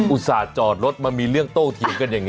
ส่าห์จอดรถมามีเรื่องโต้เถียงกันอย่างนี้